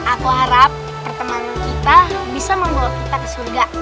aku harap perteman kita bisa membawa kita ke surga